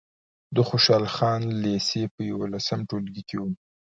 د خوشحال خان لېسې په یولسم ټولګي کې وم.